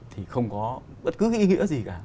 thì không có bất cứ nghĩa gì cả